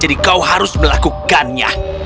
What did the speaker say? jadi kau harus melakukannya